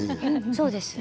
そうです。